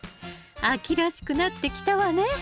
秋らしくなってきたわね。